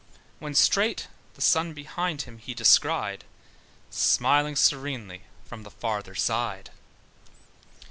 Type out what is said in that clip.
When straight the sun behind him he descried, Smiling serenely from the further side.